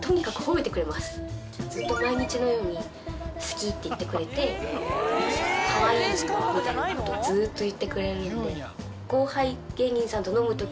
ずっと毎日のように好きって言ってくれてカワイイみたいなことをずっと言ってくれるんで。